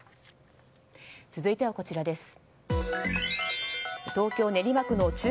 続いてはこちらです。